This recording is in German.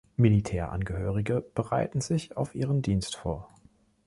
Militärangehörige bereiten sich auf ihren Dienst vor.